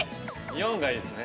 ４がいいですね。